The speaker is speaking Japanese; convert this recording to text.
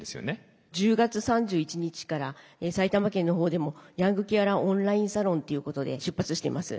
１０月３１日から埼玉県の方でもヤングケアラーオンラインサロンっていうことで出発しています。